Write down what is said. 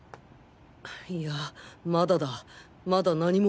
いやまだだまだ何も